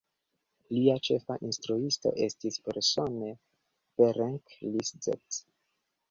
Lia ĉefa instruisto estis persone Ferenc Liszt.